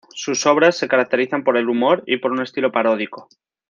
Sus obras se caracterizan por el humor y por un estilo paródico.